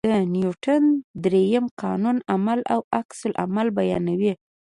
د نیوټن درېیم قانون عمل او عکس العمل بیانوي.